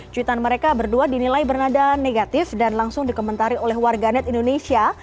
cuitan mereka berdua dinilai bernada negatif dan langsung dikomentari oleh warganet indonesia